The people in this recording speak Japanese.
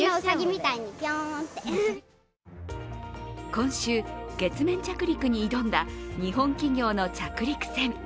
今週、月面着陸に挑んだ日本企業の着陸船。